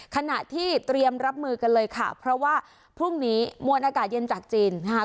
ขณะที่เตรียมรับมือกันเลยค่ะเพราะว่าพรุ่งนี้มวลอากาศเย็นจากจีนนะคะ